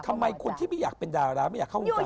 ทำไมคนที่ไม่อยากเป็นดาราไม่อยากเข้าวงการ